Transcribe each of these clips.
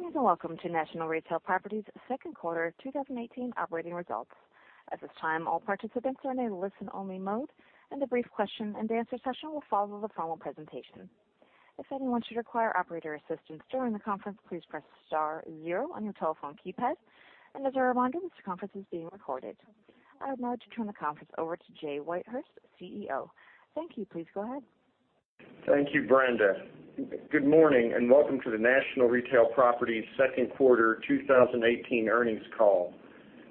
Good evening, welcome to National Retail Properties' second quarter 2018 operating results. At this time, all participants are in a listen-only mode, a brief question and answer session will follow the formal presentation. If anyone should require operator assistance during the conference, please press star zero on your telephone keypad. As a reminder, this conference is being recorded. I would now like to turn the conference over to Jay Whitehurst, CEO. Thank you. Please go ahead. Thank you, Brenda. Good morning, welcome to the National Retail Properties second quarter 2018 earnings call.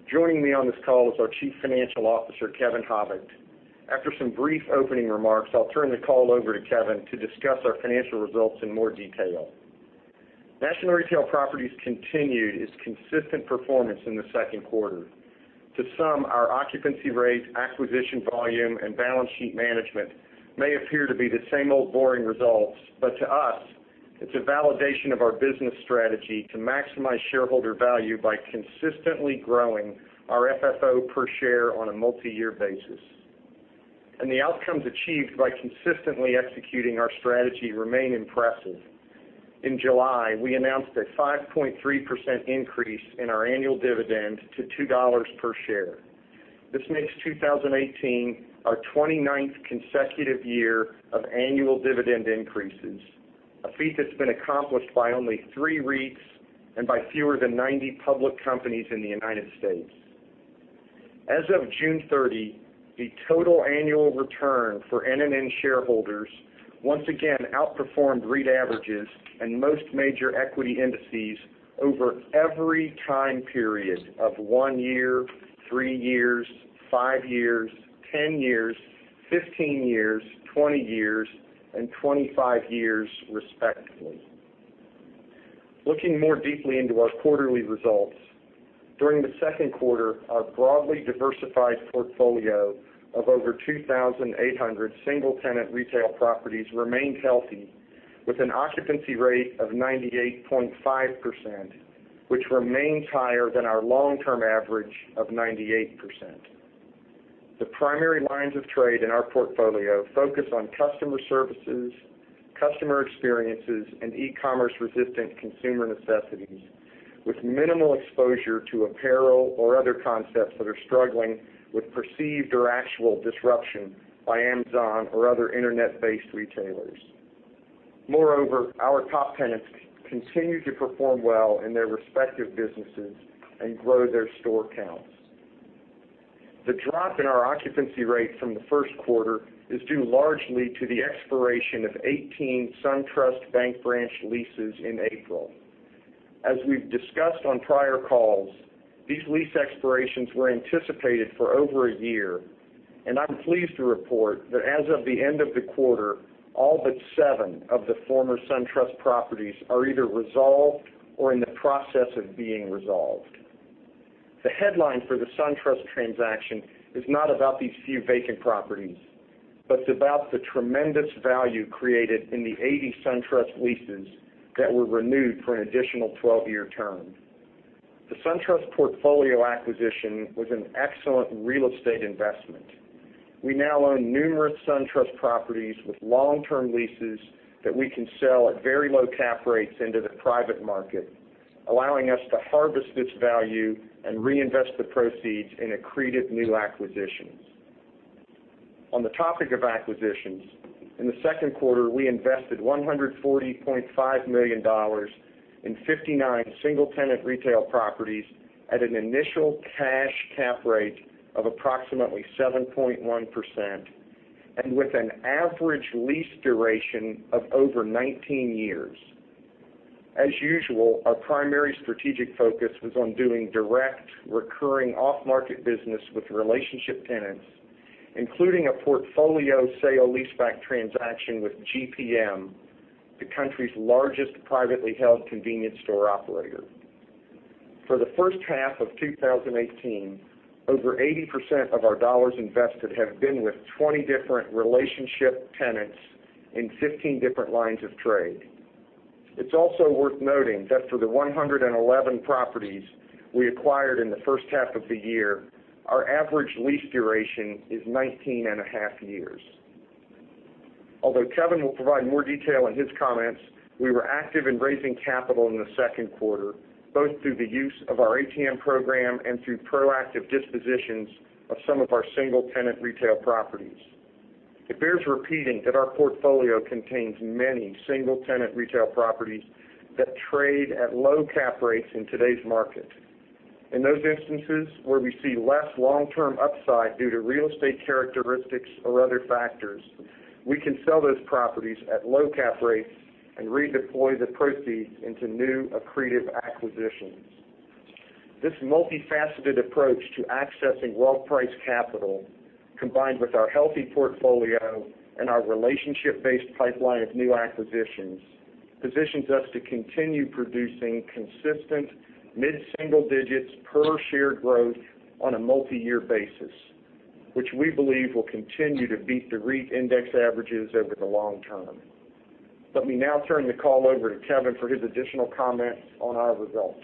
Joining me on this call is our Chief Financial Officer, Kevin Habicht. After some brief opening remarks, I'll turn the call over to Kevin to discuss our financial results in more detail. National Retail Properties continued its consistent performance in the second quarter. To some, our occupancy rates, acquisition volume, and balance sheet management may appear to be the same old boring results. To us, it's a validation of our business strategy to maximize shareholder value by consistently growing our FFO per share on a multiyear basis. The outcomes achieved by consistently executing our strategy remain impressive. In July, we announced a 5.3% increase in our annual dividend to $2 per share. This makes 2018 our 29th consecutive year of annual dividend increases, a feat that's been accomplished by only three REITs and by fewer than 90 public companies in the U.S. As of June 30, the total annual return for NNN shareholders once again outperformed REIT averages and most major equity indices over every time period of one year, three years, five years, 10 years, 15 years, 20 years, and 25 years respectively. Looking more deeply into our quarterly results, during the second quarter, our broadly diversified portfolio of over 2,800 single-tenant retail properties remained healthy, with an occupancy rate of 98.5%, which remains higher than our long-term average of 98%. The primary lines of trade in our portfolio focus on customer services, customer experiences, e-commerce resistant consumer necessities with minimal exposure to apparel or other concepts that are struggling with perceived or actual disruption by Amazon or other internet-based retailers. Moreover, our top tenants continue to perform well in their respective businesses and grow their store counts. The drop in our occupancy rate from the first quarter is due largely to the expiration of 18 SunTrust Bank branch leases in April. As we've discussed on prior calls, these lease expirations were anticipated for over a year, I'm pleased to report that as of the end of the quarter, all but seven of the former SunTrust properties are either resolved or in the process of being resolved. The headline for the SunTrust transaction is not about these few vacant properties, but it is about the tremendous value created in the 80 SunTrust leases that were renewed for an additional 12-year term. The SunTrust portfolio acquisition was an excellent real estate investment. We now own numerous SunTrust properties with long-term leases that we can sell at very low cap rates into the private market, allowing us to harvest this value and reinvest the proceeds in accretive new acquisitions. On the topic of acquisitions, in the second quarter, we invested $140.5 million in 59 single-tenant retail properties at an initial cash cap rate of approximately 7.1% and with an average lease duration of over 19 years. As usual, our primary strategic focus was on doing direct, recurring off-market business with relationship tenants, including a portfolio sale-leaseback transaction with GPM, the country's largest privately held convenience store operator. For the first half of 2018, over 80% of our dollars invested have been with 20 different relationship tenants in 15 different lines of trade. It is also worth noting that for the 111 properties we acquired in the first half of the year, our average lease duration is 19 and a half years. Although Kevin will provide more detail in his comments, we were active in raising capital in the second quarter, both through the use of our ATM program and through proactive dispositions of some of our single-tenant retail properties. It bears repeating that our portfolio contains many single-tenant retail properties that trade at low cap rates in today's market. In those instances where we see less long-term upside due to real estate characteristics or other factors, we can sell those properties at low cap rates and redeploy the proceeds into new accretive acquisitions. This multifaceted approach to accessing well-priced capital, combined with our healthy portfolio and our relationship-based pipeline of new acquisitions, positions us to continue producing consistent mid-single digits per share growth on a multiyear basis, which we believe will continue to beat the REIT index averages over the long term. Let me now turn the call over to Kevin for his additional comments on our results.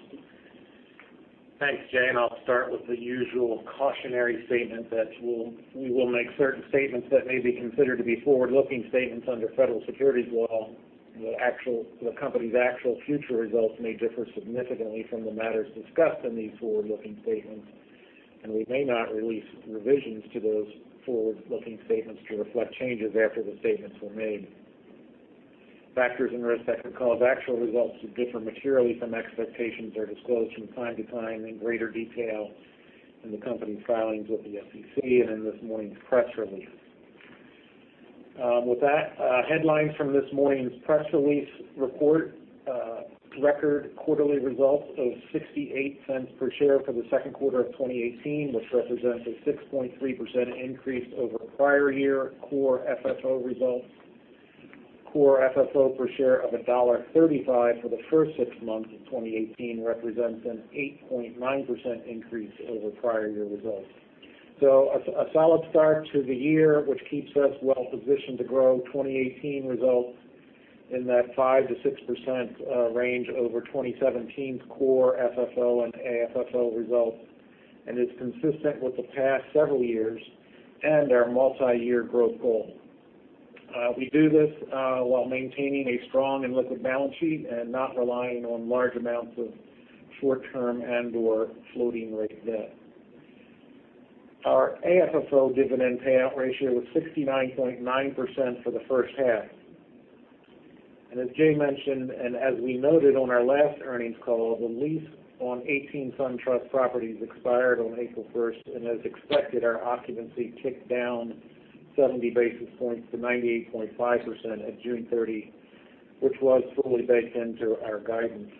Thanks, Jay. I will start with the usual cautionary statement that we will make certain statements that may be considered to be forward-looking statements under federal securities law. The company's actual future results may differ significantly from the matters discussed in these forward-looking statements, and we may not release revisions to those forward-looking statements to reflect changes after the statements were made. Factors and risks that could cause actual results to differ materially from expectations are disclosed from time to time in greater detail in the company's filings with the SEC and in this morning's press release. With that, headlines from this morning's press release report, record quarterly results of $0.68 per share for the second quarter of 2018, which represents a 6.3% increase over prior year Core FFO results. Core FFO per share of $1.35 for the first six months of 2018 represents an 8.9% increase over prior year results. A solid start to the year, which keeps us well-positioned to grow 2018 results in that 5%-6% range over 2017's Core FFO and AFFO results. It's consistent with the past several years and our multi-year growth goal. We do this while maintaining a strong and liquid balance sheet and not relying on large amounts of short-term and/or floating rate debt. Our AFFO dividend payout ratio was 69.9% for the first half. As Jay mentioned, as we noted on our last earnings call, the lease on 18 SunTrust properties expired on April 1st. As expected, our occupancy ticked down 70 basis points to 98.5% at June 30, which was fully baked into our guidance.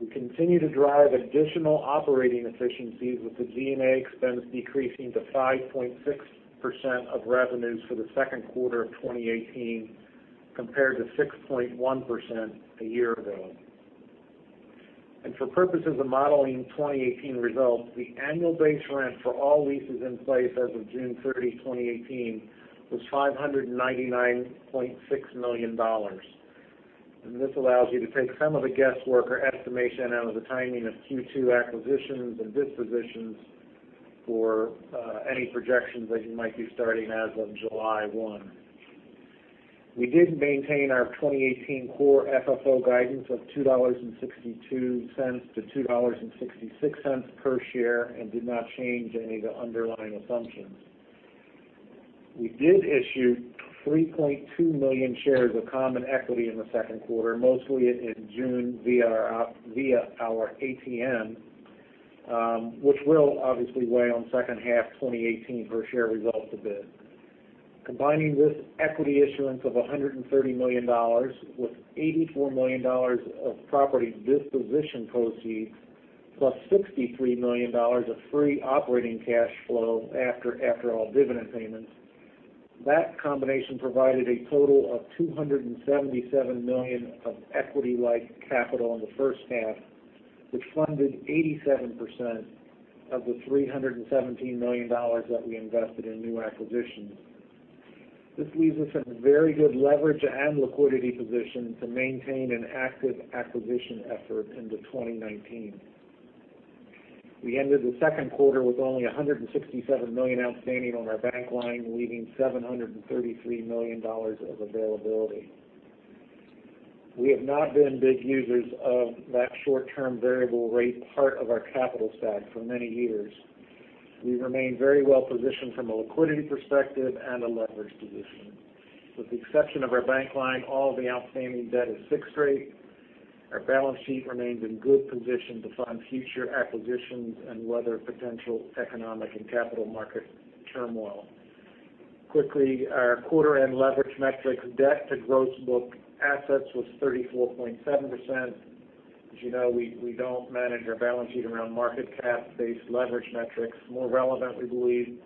We continue to drive additional operating efficiencies with the G&A expense decreasing to 5.6% of revenues for the second quarter of 2018, compared to 6.1% a year ago. For purposes of modeling 2018 results, the annual base rent for all leases in place as of June 30, 2018, was $599.6 million. This allows you to take some of the guesswork or estimation out of the timing of Q2 acquisitions and dispositions for any projections that you might be starting as of July 1. We did maintain our 2018 Core FFO guidance of $2.62-$2.66 per share and did not change any of the underlying assumptions. We did issue 3.2 million shares of common equity in the second quarter, mostly in June via our ATM, which will obviously weigh on second half 2018 per-share results a bit. Combining this equity issuance of $130 million with $84 million of property disposition proceeds, plus $63 million of free operating cash flow after all dividend payments. That combination provided a total of $277 million of equity-like capital in the first half, which funded 87% of the $317 million that we invested in new acquisitions. This leaves us in a very good leverage and liquidity position to maintain an active acquisition effort into 2019. We ended the second quarter with only $167 million outstanding on our bank line, leaving $733 million of availability. We have not been big users of that short-term variable rate part of our capital stack for many years. We remain very well-positioned from a liquidity perspective and a leverage position. With the exception of our bank line, all the outstanding debt is fixed-rate. Our balance sheet remains in good position to fund future acquisitions and weather potential economic and capital market turmoil. Quickly, our quarter-end leverage metrics Debt to Gross Book Assets was 34.7%. As you know, we don't manage our balance sheet around market cap-based leverage metrics. More relevant, we believe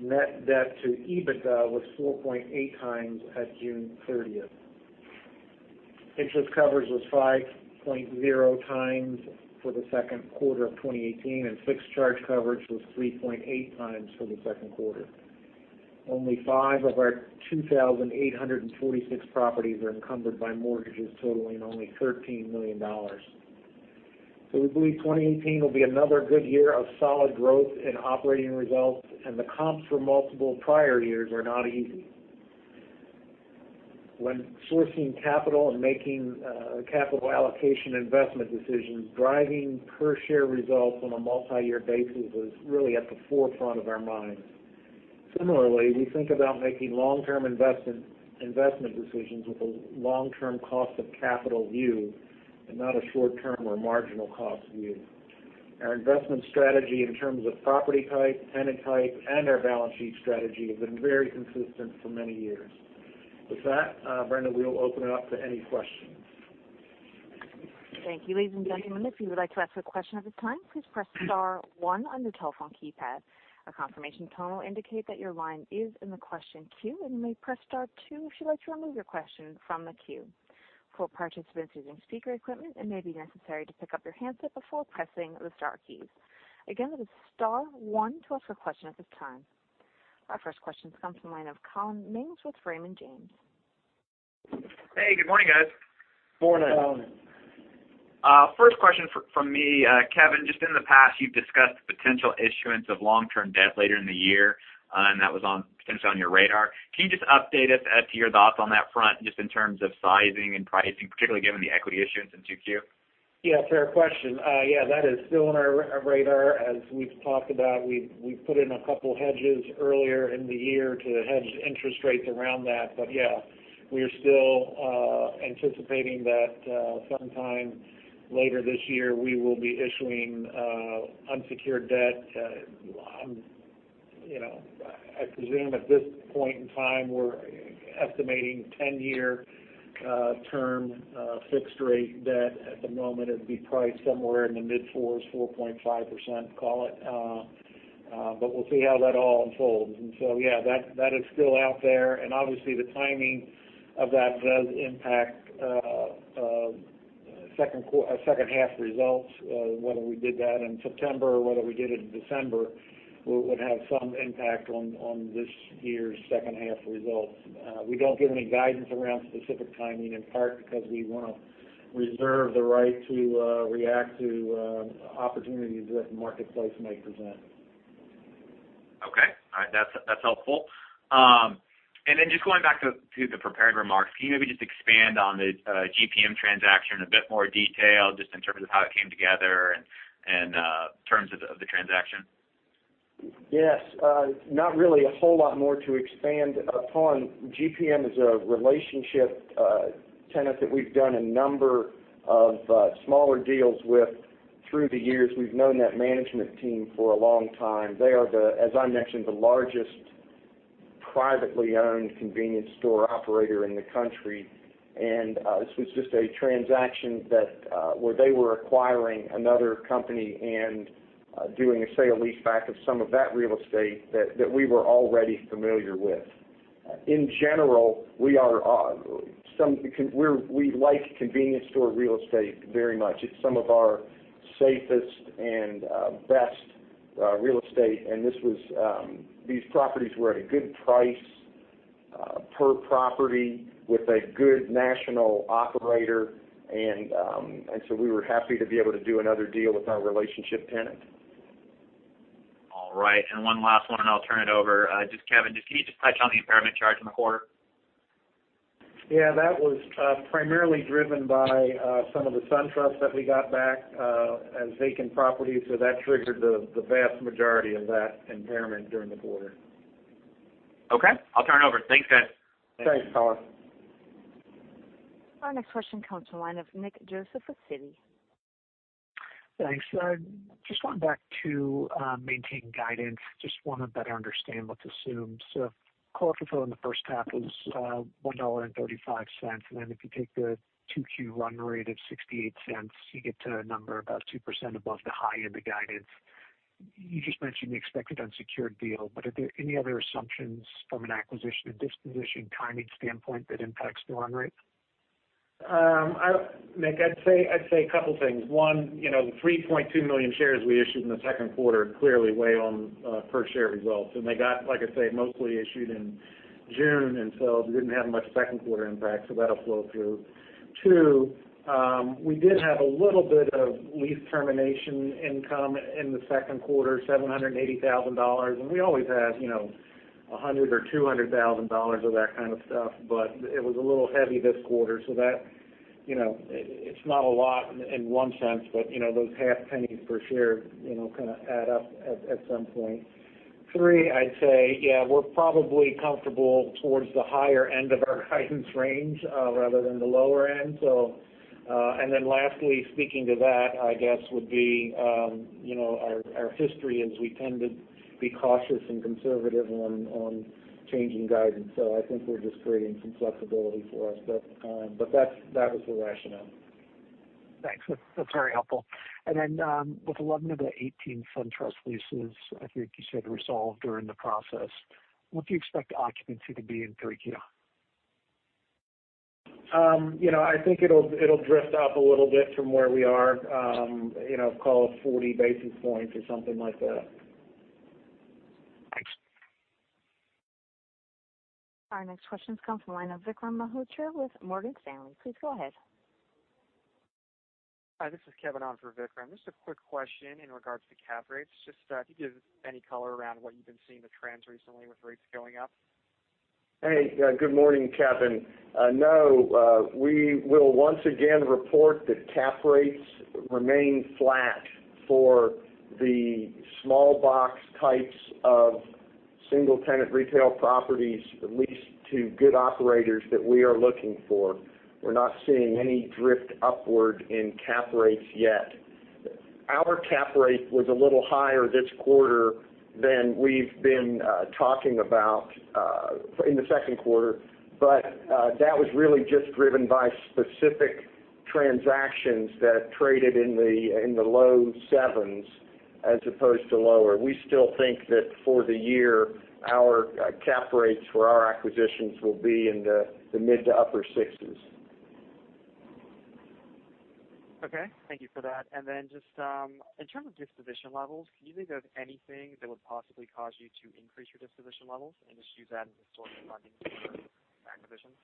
Net Debt to EBITDA was 4.8 times at June 30. Interest Coverage was 5.0 times for the second quarter of 2018, and Fixed Charge Coverage was 3.8 times for the second quarter. Only five of our 2,846 properties are encumbered by mortgages totaling only $13 million. We believe 2018 will be another good year of solid growth in operating results, the comps for multiple prior years are not easy. When sourcing capital and making capital allocation investment decisions, driving per-share results on a multi-year basis is really at the forefront of our minds. Similarly, we think about making long-term investment decisions with a long-term cost of capital view and not a short-term or marginal cost view. Our investment strategy in terms of property type, tenant type, and our balance sheet strategy have been very consistent for many years. With that, Brenda, we'll open it up to any questions. Thank you. Ladies and gentlemen, if you would like to ask a question at this time, please press star one on your telephone keypad. A confirmation tone will indicate that your line is in the question queue, and you may press star two if you'd like to remove your question from the queue. For participants using speaker equipment, it may be necessary to pick up your handset before pressing the star keys. Again, that is star one to ask a question at this time. Our first question comes from the line of Collin Mings with Raymond James. Hey, good morning, guys. Morning. Morning. First question from me, Kevin. Just in the past, you've discussed the potential issuance of long-term debt later in the year, and that was potentially on your radar. Can you just update us as to your thoughts on that front, just in terms of sizing and pricing, particularly given the equity issuance in 2Q? Fair question. That is still on our radar. As we've talked about, we've put in a couple hedges earlier in the year to hedge interest rates around that. We are still anticipating that sometime later this year, we will be issuing unsecured debt. I presume at this point in time, we're estimating 10-year term fixed-rate debt at the moment. It would be priced somewhere in the mid-4s, 4.5%, call it. We will see how that all unfolds. That is still out there. Obviously, the timing of that does impact second-half results. Whether we did that in September or whether we did it in December would have some impact on this year's second half results. We do not give any guidance around specific timing, in part because we want to reserve the right to react to opportunities that the marketplace may present. Okay. All right. That is helpful. Just going back to the prepared remarks, can you maybe just expand on the GPM transaction in a bit more detail, just in terms of how it came together and terms of the transaction? Yes. Not really a whole lot more to expand upon. GPM is a relationship tenant that we have done a number of smaller deals with through the years. We have known that management team for a long time. They are the, as I mentioned, the largest privately-owned convenience store operator in the country. This was just a transaction where they were acquiring another company and doing a sale-leaseback of some of that real estate that we were already familiar with. In general, we like convenience store real estate very much. It is some of our safest and best real estate. These properties were at a good price per property with a good national operator. We were happy to be able to do another deal with our relationship tenant. All right. One last one, and I will turn it over. Just Kevin, can you just touch on the impairment charge in the quarter? Yeah. That was primarily driven by some of the SunTrusts that we got back as vacant properties. That triggered the vast majority of that impairment during the quarter. Okay. I'll turn it over. Thanks, guys. Thanks, Tyler. Our next question comes from the line of Nick Joseph with Citi. Thanks. Just going back to maintaining guidance, just want to better understand what's assumed. Call it for in the first half was $1.35. If you take the 2Q run rate of $0.68, you get to a number about 2% above the high end of guidance. You just mentioned the expected unsecured deal. Are there any other assumptions from an acquisition or disposition timing standpoint that impacts the run rate? Nick, I'd say a couple things. One, the 3.2 million shares we issued in the second quarter clearly weigh on per-share results. They got, like I say, mostly issued in June. We didn't have much second quarter impact. That'll flow through. Two, we did have a little bit of lease termination income in the second quarter, $780,000. We always have $100,000 or $200,000 of that kind of stuff, but it was a little heavy this quarter. It's not a lot in one sense, but those half pennies per share kind of add up at some point. Three, I'd say, yeah, we're probably comfortable towards the higher end of our guidance range rather than the lower end. Lastly, speaking to that, I guess, would be our history is we tend to be cautious and conservative on changing guidance. I think we're just creating some flexibility for us. That was the rationale. Thanks. That's very helpful. With 11 of the 18 SunTrust leases, I think you said resolved or in the process, what do you expect occupancy to be in 3Q? I think it'll drift up a little bit from where we are, call it 40 basis points or something like that. Thanks. Our next question comes from the line of Vikram Malhotra with Morgan Stanley. Please go ahead. Hi, this is Kevin on for Vikram. Just a quick question in regards to cap rates. Just if you could give any color around what you've been seeing the trends recently with rates going up. Hey, good morning, Kevin. No. We will once again report that cap rates remain flat for the small box types of single-tenant retail properties leased to good operators that we are looking for. We're not seeing any drift upward in cap rates yet. Our cap rate was a little higher this quarter than we've been talking about in the second quarter. That was really just driven by specific transactions that traded in the low 7s as opposed to lower. We still think that for the year, our cap rates for our acquisitions will be in the mid to upper 60s. Okay. Thank you for that. Just in terms of disposition levels, do you think there's anything that would possibly cause you to increase your disposition levels and just use that as a source of funding for acquisitions?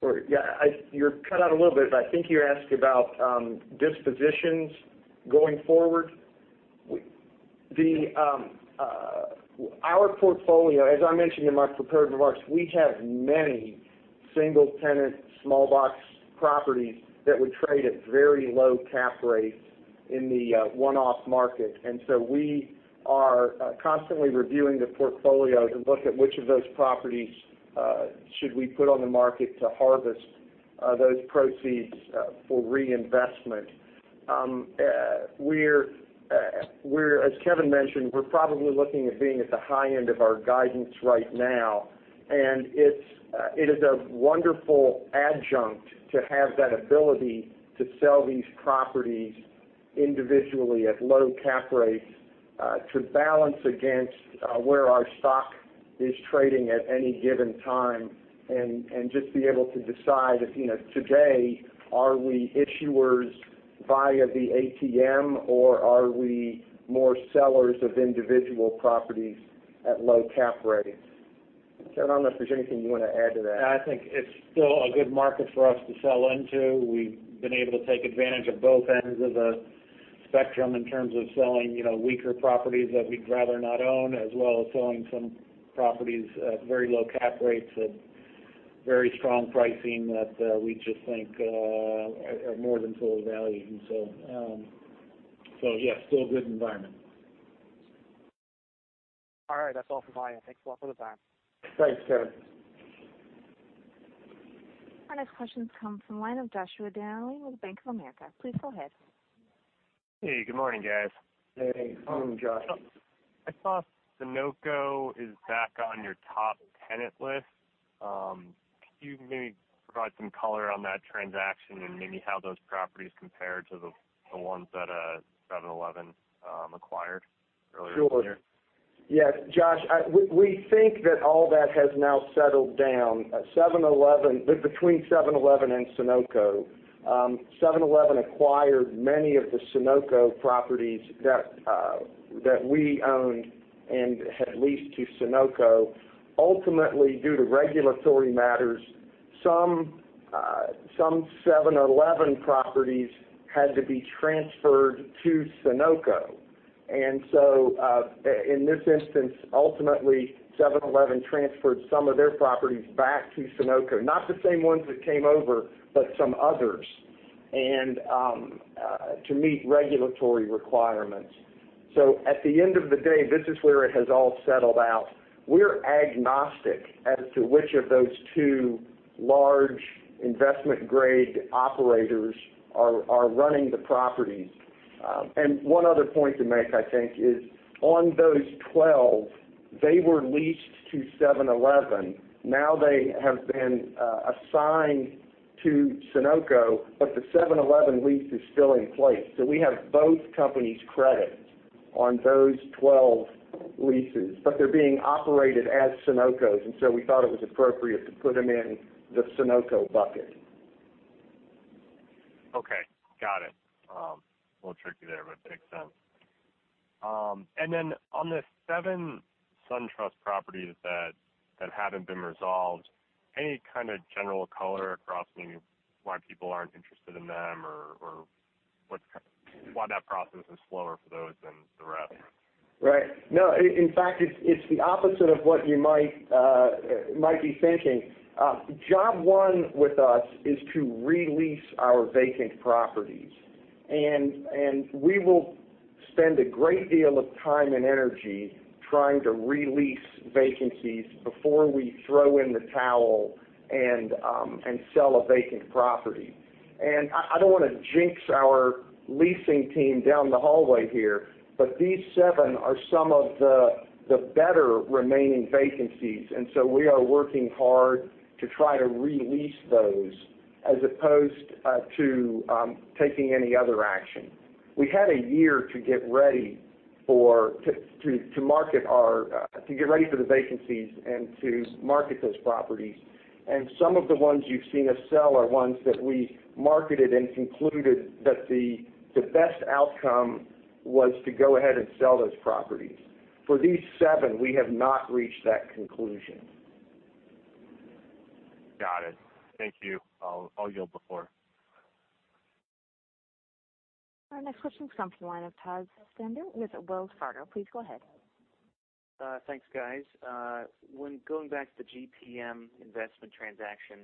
Sure. Yeah. You cut out a little bit. I think you asked about dispositions going forward. Our portfolio, as I mentioned in my prepared remarks, we have many single-tenant, small box properties that would trade at very low cap rates in the one-off market. We are constantly reviewing the portfolio to look at which of those properties should we put on the market to harvest those proceeds for reinvestment. As Kevin mentioned, we're probably looking at being at the high end of our guidance right now. It is a wonderful adjunct to have that ability to sell these properties individually at low cap rates, to balance against where our stock is trading at any given time, just be able to decide if, today, are we issuers via the ATM, or are we more sellers of individual properties at low cap rates? Kevin, I don't know if there's anything you want to add to that. I think it's still a good market for us to sell into. We've been able to take advantage of both ends of the spectrum in terms of selling weaker properties that we'd rather not own, as well as selling some properties at very low cap rates, at very strong pricing that we just think are more than full value. Yes, still a good environment. All right. That's all for Ryan. Thanks a lot for the time. Thanks, Kevin. Our next question comes from the line of Joshua Dennerlein with Bank of America. Please go ahead. Hey. Good morning, guys. Hey. Morning, Josh. I saw Sunoco is back on your top tenant list. Could you maybe provide some color on that transaction and maybe how those properties compare to the ones that 7-Eleven acquired earlier this year? Sure. Yeah, Josh, we think that all that has now settled down. Between 7-Eleven and Sunoco, 7-Eleven acquired many of the Sunoco properties that we owned and had leased to Sunoco. Ultimately, due to regulatory matters, some 7-Eleven properties had to be transferred to Sunoco. In this instance, ultimately, 7-Eleven transferred some of their properties back to Sunoco, not the same ones that came over, but some others, to meet regulatory requirements. At the end of the day, this is where it has all settled out. We're agnostic as to which of those two large investment-grade operators are running the properties. One other point to make, I think, is on those 12, they were leased to 7-Eleven. Now they have been assigned to Sunoco, but the 7-Eleven lease is still in place. We have both companies credited on those 12 leases, but they're being operated as Sunocos, and so we thought it was appropriate to put them in the Sunoco bucket. Okay. Got it. A little tricky there, makes sense. On the seven SunTrust properties that haven't been resolved, any kind of general color across maybe why people aren't interested in them or why that process is slower for those than the rest? Right. No, in fact, it's the opposite of what you might be thinking. Job one with us is to re-lease our vacant properties, we will spend a great deal of time and energy trying to re-lease vacancies before we throw in the towel and sell a vacant property. I don't want to jinx our leasing team down the hallway here, these seven are some of the better remaining vacancies, we are working hard to try to re-lease those as opposed to taking any other action. We had a year to get ready for the vacancies and to market those properties. Some of the ones you've seen us sell are ones that we marketed and concluded that the best outcome was to go ahead and sell those properties. For these seven, we have not reached that conclusion. Got it. Thank you. I'll yield the floor. Our next question comes from the line of Todd Stender with Wells Fargo. Please go ahead. Thanks, guys. When going back to the GPM investment transaction,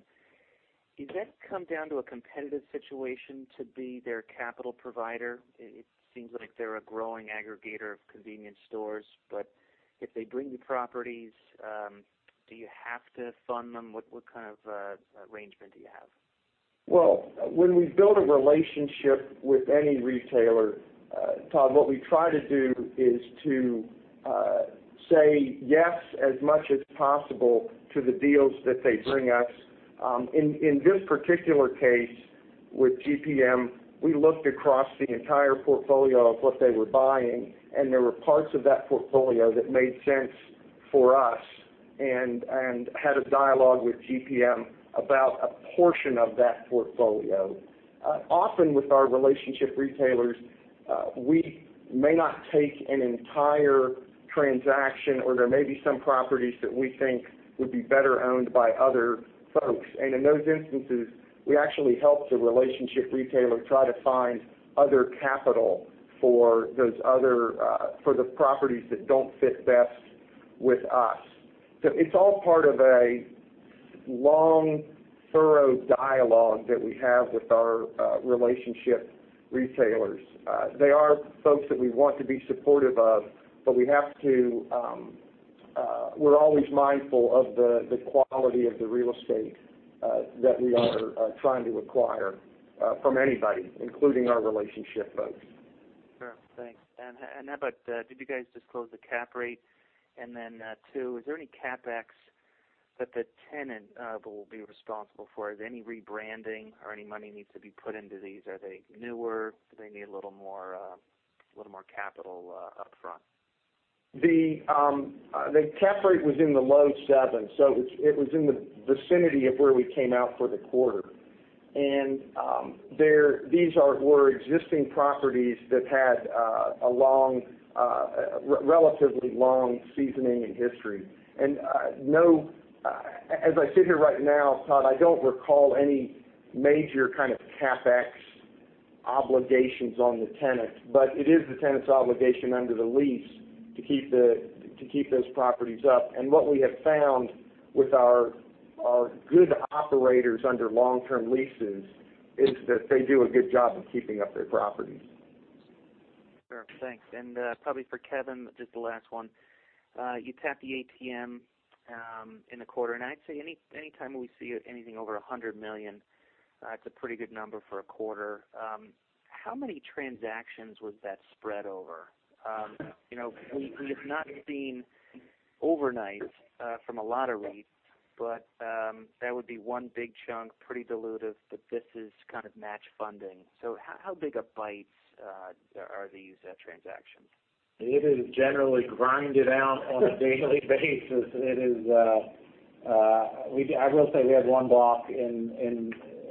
did that come down to a competitive situation to be their capital provider? It seems like they're a growing aggregator of convenience stores, but if they bring you properties, do you have to fund them? What kind of arrangement do you have? When we build a relationship with any retailer, Todd, what we try to do is to say yes as much as possible to the deals that they bring us. In this particular case with GPM, we looked across the entire portfolio of what they were buying, and there were parts of that portfolio that made sense for us and had a dialogue with GPM about a portion of that portfolio. Often with our relationship retailers, we may not take an entire transaction, or there may be some properties that we think would be better owned by other folks. In those instances, we actually help the relationship retailer try to find other capital for the properties that don't fit best with us. It's all part of a long, thorough dialogue that we have with our relationship retailers. They are folks that we want to be supportive of, but we're always mindful of the quality of the real estate that we are trying to acquire from anybody, including our relationship folks. Sure. Thanks. How about, did you guys disclose the cap rate? Then 2, is there any CapEx that the tenant will be responsible for? Is there any rebranding or any money needs to be put into these? Are they newer? Do they need a little more capital upfront? The cap rate was in the low sevens. It was in the vicinity of where we came out for the quarter. These were existing properties that had a relatively long seasoning and history. As I sit here right now, Todd, I don't recall any major kind of CapEx obligations on the tenant. It is the tenant's obligation under the lease to keep those properties up. What we have found with our good operators under long-term leases is that they do a good job of keeping up their properties. Sure. Thanks. Probably for Kevin, just the last one. You tapped the ATM in the quarter. I'd say anytime we see anything over $100 million, that's a pretty good number for a quarter. How many transactions was that spread over? We have not seen overnight from a lot of REITs, but that would be one big chunk, pretty dilutive, but this is kind of match funding. How big of bites are these transactions? It is generally grind-it-out on a daily basis. I will say we had one block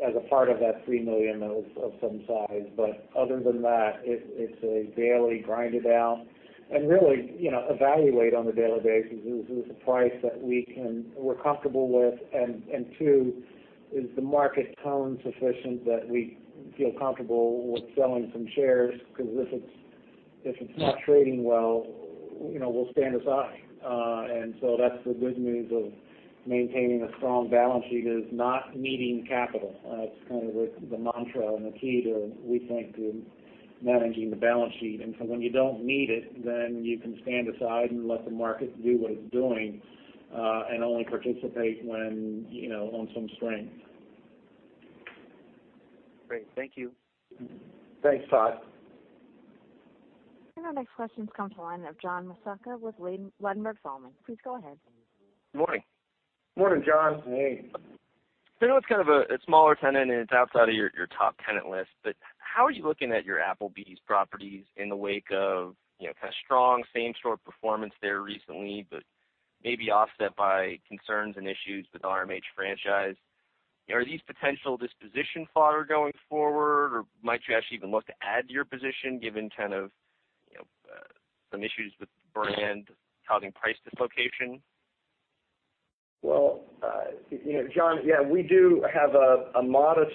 as a part of that $3 million that was of some size. Other than that, it's a daily grind-it-out, and really evaluate on a daily basis. Is this a price that we're comfortable with? Two, is the market tone sufficient that we feel comfortable with selling some shares? Because if it's not trading well, we'll stand aside. That's the good news of maintaining a strong balance sheet, is not needing capital. That's kind of the mantra and the key, we think, to managing the balance sheet. When you don't need it, then you can stand aside and let the market do what it's doing, and only participate on some strength. Great. Thank you. Thanks, Todd. Our next question comes to the line of John Massocca with Ladenburg Thalmann. Please go ahead. Good morning. Morning, John. I know it's kind of a smaller tenant and it's outside of your top tenant list, but how are you looking at your Applebee's properties in the wake of kind of strong same-store performance there recently, but maybe offset by concerns and issues with the RMH Franchise? Are these potential disposition fodder going forward, or might you actually even look to add to your position given kind of some issues with the brand causing price dislocation? Well, John, yeah, we do have a modest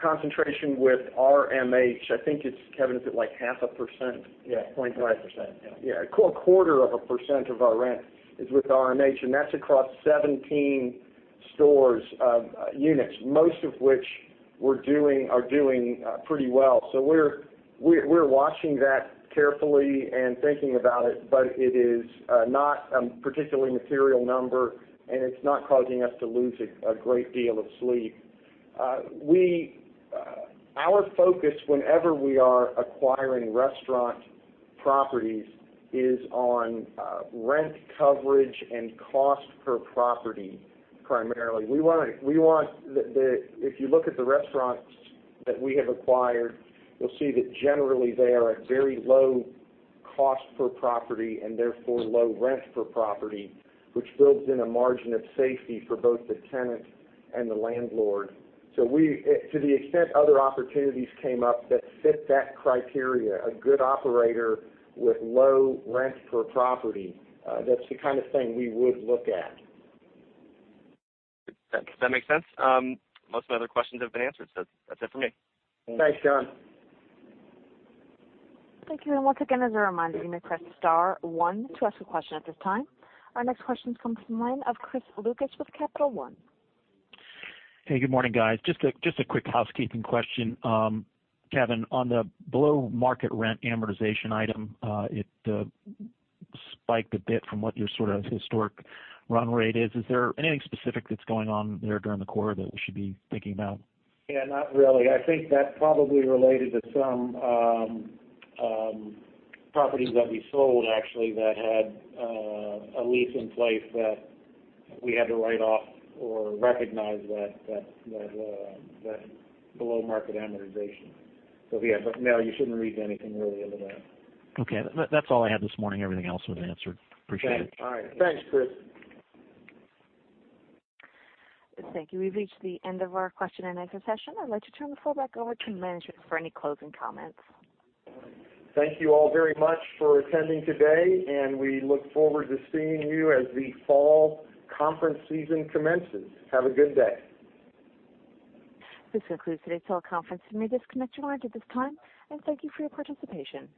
concentration with RMH. I think it's, Kevin, is it like 0.5%? Yeah, 0.5%, yeah. Yeah. A 0.25% of our rent is with RMH, and that's across 17 units, most of which are doing pretty well. We're watching that carefully and thinking about it, but it is not a particularly material number, and it's not causing us to lose a great deal of sleep. Our focus whenever we are acquiring restaurant properties is on rent coverage and cost per property, primarily. If you look at the restaurants that we have acquired, you'll see that generally they are at very low cost per property and therefore low rent per property, which builds in a margin of safety for both the tenant and the landlord. To the extent other opportunities came up that fit that criteria, a good operator with low rent per property, that's the kind of thing we would look at. That makes sense. Most of my other questions have been answered, that's it for me. Thanks, John. Thank you. Once again, as a reminder, you may press star one to ask a question at this time. Our next question comes from the line of Chris Lucas with Capital One. Hey, good morning, guys. Just a quick housekeeping question. Kevin, on the Below-Market Rent Amortization item, it spiked a bit from what your sort of historic run rate is. Is there anything specific that's going on there during the quarter that we should be thinking about? Not really. I think that probably related to some properties that we sold, actually, that had a lease in place that we had to write off or recognize that Below-Market Amortization. No, you shouldn't read anything really into that. That's all I had this morning. Everything else was answered. Appreciate it. Thanks. All right. Thanks, Chris. Thank you. We've reached the end of our question-and-answer session. I'd like to turn the floor back over to management for any closing comments. Thank you all very much for attending today. We look forward to seeing you as the fall conference season commences. Have a good day. This concludes today's teleconference. You may disconnect your lines at this time. Thank you for your participation.